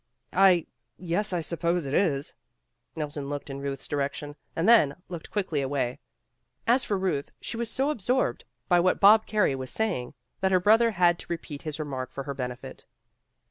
"I yes, I suppose it is." Nelson looked in Ruth's direction and then looked quickly away. As for Ruth, she was so absorbed by what Rob Carey was saying, that her brother had to re peat his remark for her benefit.